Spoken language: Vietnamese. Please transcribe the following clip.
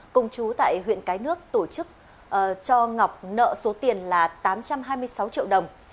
cùng chú tại huyện cái nước tổ chức cho ngọc nợ số tiền là tám trăm hai mươi sáu triệu đồng